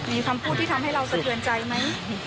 มีคำพูดที่ทำให้เราสะเทือนใจไหม